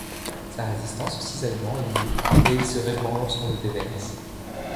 Sa résistance au cisaillement est nulle et il se répand lorsqu'on le déverse.